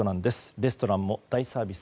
レストランも大サービス。